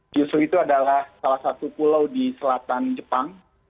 kiushu itu adalah salah satu pulau di selatan jepang